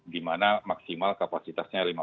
di mana maksimal kapasitasnya